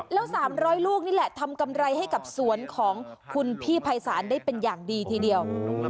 แล้ว๓๐๐ลูกนี่แหละทำกำไรให้กับสวนของคุณพี่ภัยศาลได้เป็นอย่างดีทีเดียว